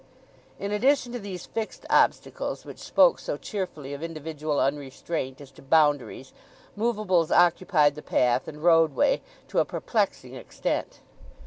In addition to these fixed obstacles which spoke so cheerfully of individual unrestraint as to boundaries, movables occupied the path and roadway to a perplexing extent.